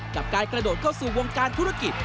กับการกระโดดเข้าสู่วงการธุรกิจ